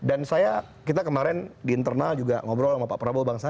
dan saya kita kemarin di internal juga ngobrol dengan pak prabowo banget ya